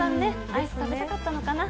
アイス食べたかったのかな。